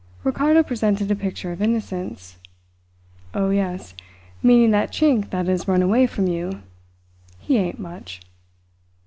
Ricardo presented a picture of innocence. "Oh, yes meaning that Chink that has ran away from you. He ain't much!"